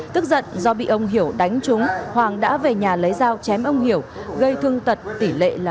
tức giận do bị ông hiểu đánh trúng hoàng đã về nhà lấy dao chém ông hiểu gây thương tật tỷ lệ là ba mươi một